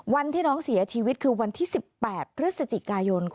วันที่น้องเสียชีวิตคือวันที่๑๘พฤศจิกายน